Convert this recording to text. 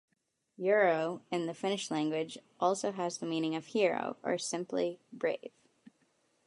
"Urho" in the Finnish language also has the meaning of "hero" or simply "brave".